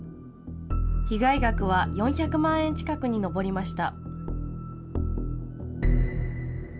被害額は４００万円近くに上りました。